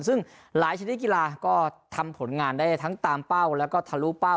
ซึ่งหลายชนิดกีฬาก็ทำผลงานได้ทั้งตามเป้าแล้วก็ทะลุเป้า